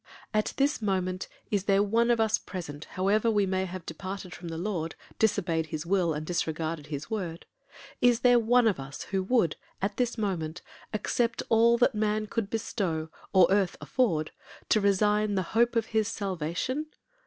'At this moment is there one of us present, however we may have departed from the Lord, disobeyed his will, and disregarded his word—is there one of us who would, at this moment, accept all that man could bestow, or earth afford, to resign the hope of his salvation?